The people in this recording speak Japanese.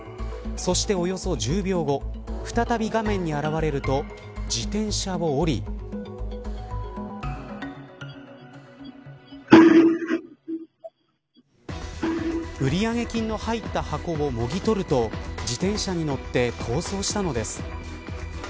そしておよそ１０秒後再び画面に現れると自転車を降り売上金の入った箱をもぎ取ると自転車に乗って逃走したのです。